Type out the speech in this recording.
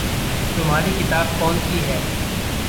तुम्हारी किताब कौनसी है?